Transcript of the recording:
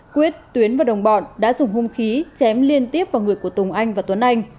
quyết tiến và đồng bọn đã dùng hung khí chém liên tiếp vào người của tùng anh và tuấn anh